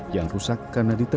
yang rusak karena ditutup